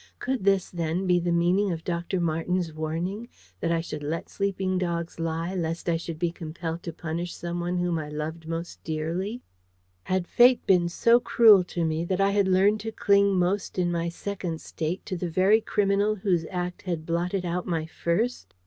Could this, then, be the meaning of Dr. Marten's warning, that I should let sleeping dogs lie, lest I should be compelled to punish someone whom I loved most dearly? Had Fate been so cruel to me, that I had learned to cling most in my Second State to the very criminal whose act had blotted out my First?